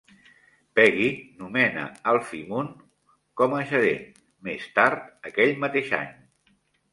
Peggy nomena Alfie Moon com a gerent més tard aquell mateix any.